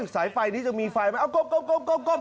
สายไฟนี้จะมีไฟไหมเอาก๊อบ